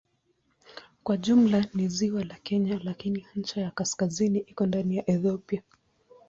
Kwa jumla ni ziwa la Kenya lakini ncha ya kaskazini iko ndani ya Ethiopia.